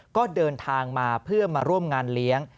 ก็เดินทางมาเพื่อมาร่วมงานเลี้ยง